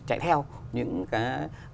chạy theo những cái